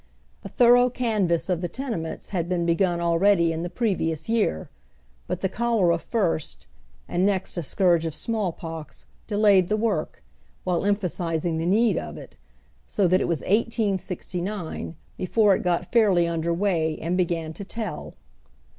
A thor ough canvass of tiie tenements had been begun already in the previous year ; bnt the cholera first, and next a scourge of small pox, delayed tlie work, while emphasizing the need of it, so that it was 1869 before it got fairly under way and began to tell.